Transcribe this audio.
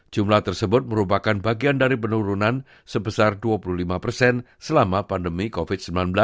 jumlah tersebut merupakan bagian dari penurunan sebesar dua puluh lima persen selama pandemi covid sembilan belas